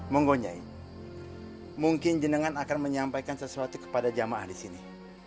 menggonya mungkin jenengan akan menyampaikan sesuatu kepada jamaah di sini